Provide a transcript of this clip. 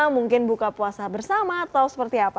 mungkin buka puasa bersama atau seperti apa